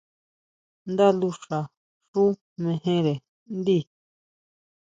Ndá luxa xú mejere ndíi.